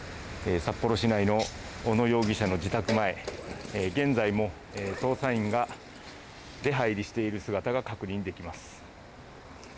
札幌市内の小野容疑者の自宅前現在も捜査員が出入りしている姿が確認できます。